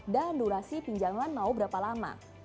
dan durasi pinjaman mau berapa lama